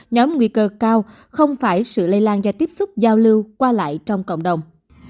nhóm nguy cơ cao không phải sự lây lan do tiếp xúc giao lưu qua lại trong cộng đồng